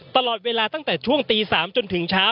ตลอดเวลาตั้งแต่ช่วงตี๓จนถึงเช้า